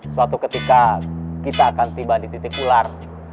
suatu ketika kita akan tiba di titik ular